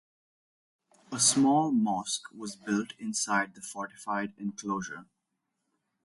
A small mosque was built inside the fortified enclosure.